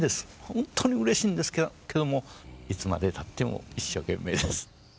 ほんとにうれしいんですけどもいつまでたっても一生懸命です。